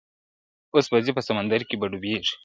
اوس به ځي په سمندر کی به ډوبیږي `